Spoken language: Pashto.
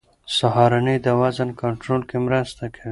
سهارنۍ د وزن کنټرول کې مرسته کوي.